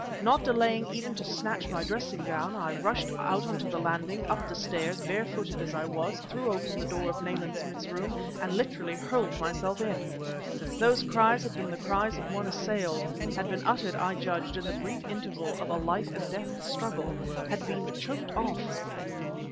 Not delaying even to snatch my dressing gown, I rushed out on to the landing, up the stairs, bare footed as I was, threw open the door of Smith's room and literally hurled myself in. Those cries had been the cries of one assailed, had been uttered, I judged, in the brief interval of a life and death struggle; had been choked off...